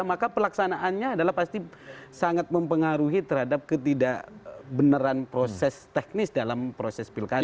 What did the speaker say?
maka pelaksanaannya adalah pasti sangat mempengaruhi terhadap ketidakbenaran proses teknis dalam proses pilkada